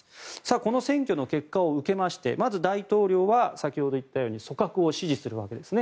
この選挙の結果を受けましてまず大統領は先ほど言ったように組閣を指示するわけですね。